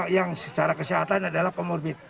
yang secara kesehatan adalah comorbid